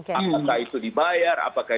apakah itu dibayar apakah